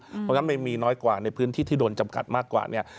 เพราะฉะนั้นไม่มีน้อยกว่าในพื้นที่ที่โดนจำกัดมากกว่าเนี่ย